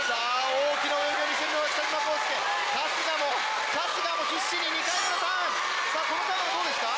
大きな泳ぎを見せるのは北島康介春日も春日も必死に２回目のターンさあこのターンはどうですか？